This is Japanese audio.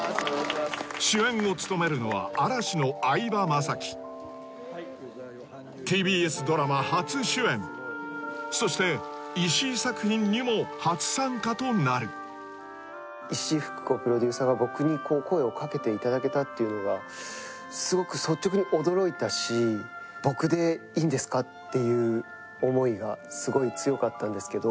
主演を務めるのは嵐の相葉雅紀そして石井作品にも初参加となる石井ふく子プロデューサーが僕にこう声をかけていただけたっていうのがすごく率直に驚いたしっていう思いがすごい強かったんですけど